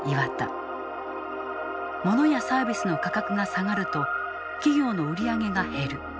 モノやサービスの価格が下がると企業の売り上げが減る。